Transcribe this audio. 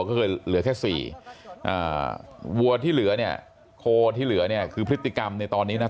ก็คือเหลือแค่๔วัวที่เหลือเนี่ยโคที่เหลือเนี่ยคือพฤติกรรมในตอนนี้นะ